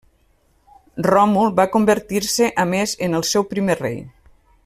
Ròmul va convertir-se a més en el seu primer rei.